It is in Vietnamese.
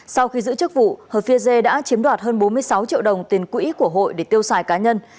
sau khi giữ chức vụ hờ phiê dê đã chiếm đoạt hơn bốn mươi sáu triệu đồng tiền quỹ của hội để tiêu xài cá nhân